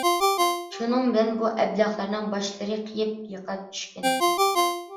شۇنىڭ بىلەن بۇ ئەبلەخلەرنىڭ باشلىرى قېيىپ يىقىلىپ چۈشكەن.